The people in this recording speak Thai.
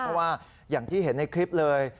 เพราะว่าอย่างที่เห็นในคลิปเลย